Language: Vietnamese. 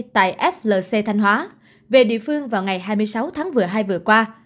tại flc thanh hóa về địa phương vào ngày hai mươi sáu tháng hai vừa qua